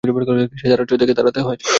কিসে দাড়াচ্ছ দেখে দাড়াতে হয়।